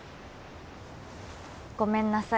ごめんなさい。